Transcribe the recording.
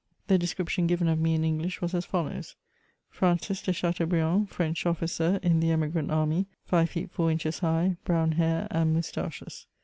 The description given of me in English was as follows :— Francis de Chateaubriand^ French officer in the Emigrant army, Jive feet four inches high, brown hair and moustaches.